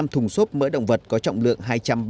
năm thùng xốp mỡ động vật có trọng lượng